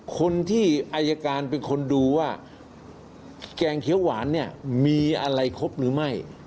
คนที่อายการเป็นคนดูว่าแกงเขียวหวานเนี่ยมีอะไรครบหรือไม่